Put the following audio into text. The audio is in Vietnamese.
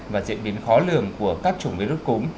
và diễn biến khó lường của các chủng virus cúm